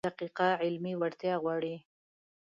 دقیقه علمي وړتیا غواړي.